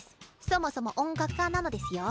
そもそも音楽科なのデスよ。